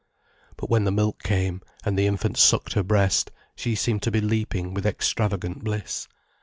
But when the milk came, and the infant sucked her breast, she seemed to be leaping with extravagant bliss.